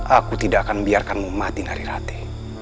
aku tidak akan biarkanmu mati nari rati